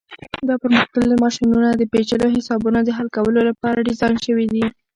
دا پرمختللي ماشینونه د پیچلو حسابونو د حل کولو لپاره ډیزاین شوي دي.